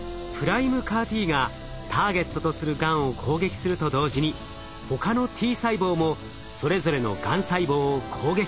ＰＲＩＭＥＣＡＲ−Ｔがターゲットとするがんを攻撃すると同時に他のＴ細胞もそれぞれのがん細胞を攻撃。